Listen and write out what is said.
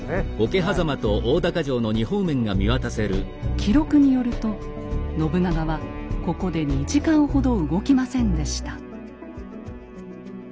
記録によると信長はここで２時間ほど動きませんでした。